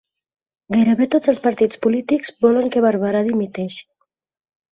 Gairebé tots els partits polítics volen que Barberà dimiteixi